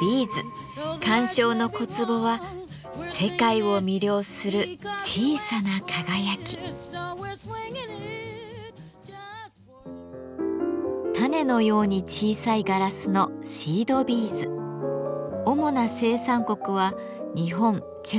ビーズ鑑賞の小壺は種のように小さいガラスの主な生産国は日本チェコ